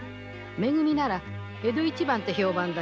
「め組」なら江戸一番って評判だ。